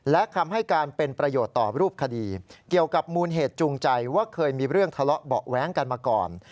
และคำให้การเป็นประโยชน์ต่อรูปคดีเกี่ยวกับมูลเหตุจูงใจว่าเคยมีเรื่องทะเลาะเบาะแว้งกันมาก่อน